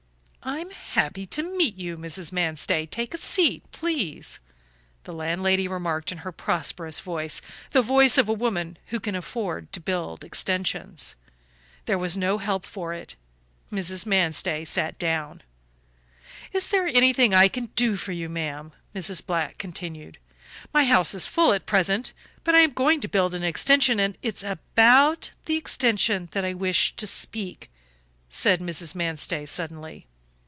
"I'm happy to meet you, Mrs. Manstey; take a seat, please," the landlady remarked in her prosperous voice, the voice of a woman who can afford to build extensions. There was no help for it; Mrs. Manstey sat down. "Is there anything I can do for you, ma'am?" Mrs. Black continued. "My house is full at present, but I am going to build an extension, and " "It is about the extension that I wish to speak," said Mrs. Manstey, suddenly.